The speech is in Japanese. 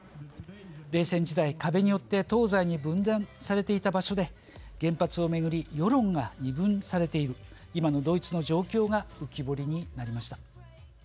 冷戦時代、壁によって東西に分断されていた場所で原発を巡り世論が二分されている今のドイツの状況が浮き彫りになりました。